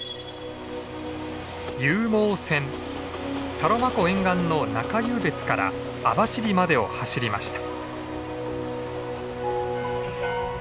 サロマ湖沿岸の中湧別から網走までを走りました。